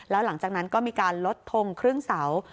แล้วหลังจากนั้นก็มีการลดทงครึ่งเสา